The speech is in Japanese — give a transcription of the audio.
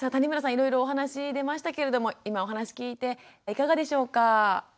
いろいろお話出ましたけれども今お話聞いていかがでしょうか？